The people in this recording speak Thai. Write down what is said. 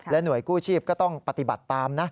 หน่วยกู้ชีพก็ต้องปฏิบัติตามนะ